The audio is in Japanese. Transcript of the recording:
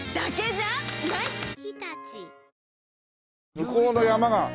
向こうの山が。